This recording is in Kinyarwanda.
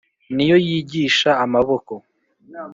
Ni yo yigisha amaboko